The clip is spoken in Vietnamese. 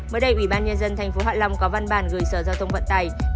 mới đây ủy ban nhân dân tp hạ long có văn bản gửi sở giao thông vận tài